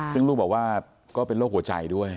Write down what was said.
ซึ่งลูกบอกว่าก็เป็นโรคหัวใจด้วย